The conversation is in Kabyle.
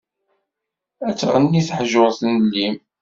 Ad tɣenni teḥjurt n llim.